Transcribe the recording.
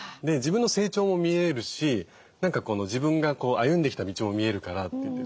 自分の成長も見えるし何か自分が歩んできた道も見えるからって。